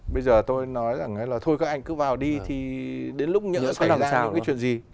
bây giờ tôi nói rằng là thôi các anh cứ vào đi thì đến lúc nhỡ xảy ra cái chuyện gì